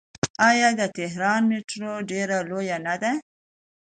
آیا د تهران میټرو ډیره لویه نه ده؟